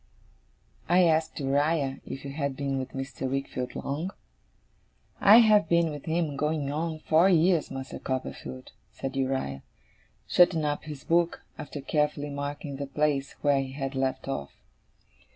I asked Uriah if he had been with Mr. Wickfield long? 'I have been with him, going on four year, Master Copperfield,' said Uriah; shutting up his book, after carefully marking the place where he had left off.